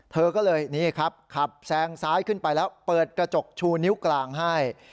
เธอก็เลยนี่ครับขับแซงซ้ายขึ้นไปแล้วเปิดกระจกชูนิ้วกลางให้